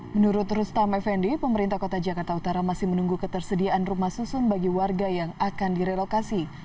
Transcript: menurut rustam effendi pemerintah kota jakarta utara masih menunggu ketersediaan rumah susun bagi warga yang akan direlokasi